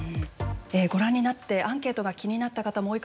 ご覧になってアンケートが気になった方も多いかもしれません。